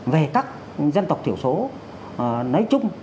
về các dân tộc thiểu số nói chung